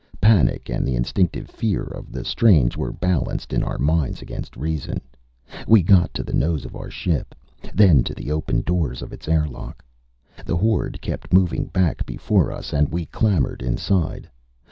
Panic and the instinctive fear of the strange were balanced in our minds against reason. We got to the nose of our ship, then to the open doors of its airlock. The horde kept moving back before us and we clambered inside.